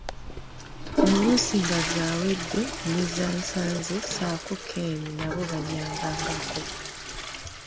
Oluusi nga Zaawedde ne Zansanze ssaako Ken nabo bannyambako.